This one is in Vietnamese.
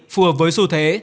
phù hợp với xu thế